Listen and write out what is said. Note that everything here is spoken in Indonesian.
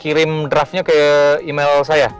kirim draftnya ke email saya